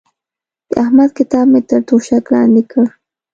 د احمد کتاب مې تر توشک لاندې کړ.